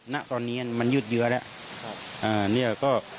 ณตอนนี้มันยืดเยอะแล้ว